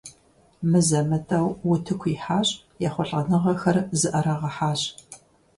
Мызэ-мытӀэу утыку ихьащ, ехъулӀэныгъэхэр зыӀэрагъэхьащ.